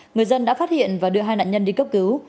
người dân đã phát hiện và đưa hai nạn nhân đi cấp cứu